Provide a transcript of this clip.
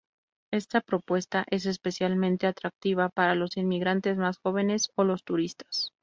Esta propuesta es especialmente atractiva para los inmigrantes más jóvenes o los turistas.